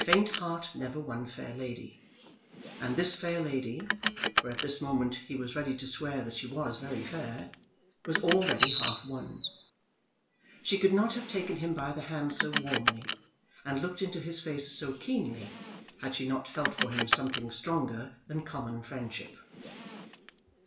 Faint heart never won fair lady! And this fair lady, for at this moment he was ready to swear that she was very fair, was already half won. She could not have taken him by the hand so warmly, and looked into his face so keenly, had she not felt for him something stronger than common friendship.